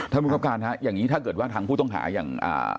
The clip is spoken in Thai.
ผู้บังคับการฮะอย่างนี้ถ้าเกิดว่าทางผู้ต้องหาอย่างอ่า